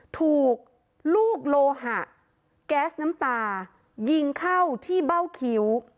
ถูกลูกโลหะแก๊สน้ำตายิงเข้าที่เบ้าคิ้ว